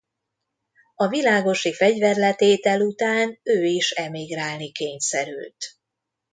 A világosi fegyverletétel után ő is emigrálni kényszerült.